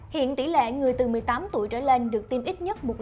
hiện tỷ lệ người từ một mươi tám tuổi trở lên được tiêm ít nhất một liệu